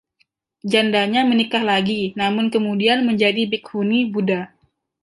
Jandanya menikah lagi namun kemudian menjadi bikhuni Buddha.